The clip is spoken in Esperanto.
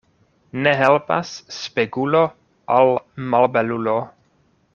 Ne helpas spegulo al malbelulo.